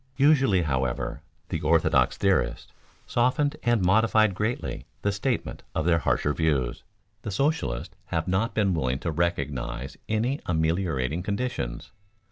Usually, however, the orthodox theorists softened and modified greatly the statement of their harsher views. The socialists have not been willing to recognize any ameliorating conditions.